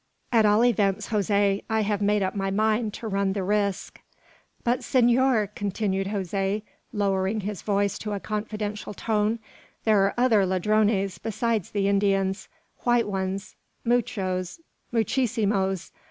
At all events, Jose, I have made up my mind to run the risk." "But, senor," continued Jose, lowering his voice to a confidential tone, "there are other ladrones besides the Indians: white ones, muchos, muchissimos!